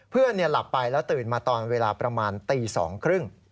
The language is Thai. เพื่อนเนี่ยหลับไปแล้วตื่นมาตอนเวลาประมาณตี๒ครึ่ง